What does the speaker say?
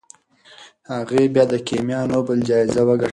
هغې بیا د کیمیا نوبل جایزه وګټله.